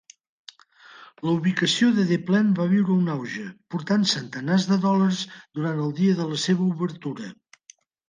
La ubicació de Des Plaines va viure un auge, portant centenars de dòlars durant el dia de la seva obertura.